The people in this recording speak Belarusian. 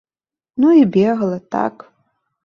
Ну і бегала, так.